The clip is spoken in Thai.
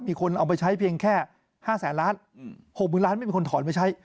มีคนเอาไปใช้เพียงแค่๕แสนล้าน๖๐๐๐ล้านไม่มีคนถอนไปใช้